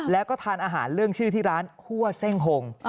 แล้วก็ทานอาหารเรื่องชื่อที่ร้านคั่วเส้งหง